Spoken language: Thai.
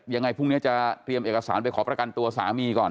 ยังไงพรุ่งนี้จะเตรียมเอกสารไปขอประกันตัวสามีก่อน